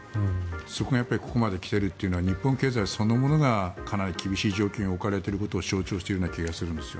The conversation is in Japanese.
そこがここまで来ているというのは日本経済そのものがかなり厳しい状況に置かれていることを象徴している気がするんです。